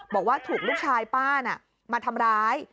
บอกว่าถูกลูกชายป้าน่ะมาทำร้าย